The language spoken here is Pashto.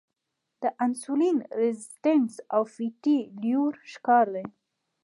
انسولین ريزسټنس او فېټي لیور ښکار دي -